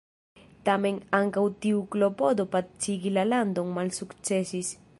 Tamen ankaŭ tiu klopodo pacigi la landon malsukcesis.